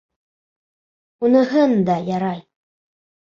— Уныһын да ярай.